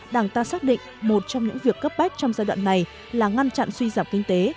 đảng ta xác định một trong những việc cấp bách trong giai đoạn này là ngăn chặn suy giảm kinh tế